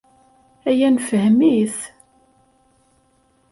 Aya nefhem-it.